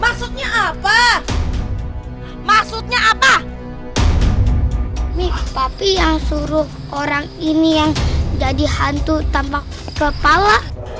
maksudnya apa maksudnya apa nih tapi yang suruh orang ini yang jadi hantu tanpa kepala